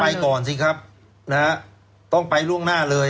ไปก่อนสิครับนะฮะต้องไปล่วงหน้าเลย